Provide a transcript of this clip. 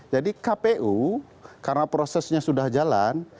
jadi kpu karena prosesnya sudah jalan